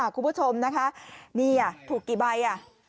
คุณผู้ชมนี่ถูกกี่ใบ